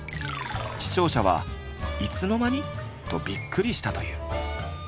視聴者は「いつの間に？」とびっくりしたという。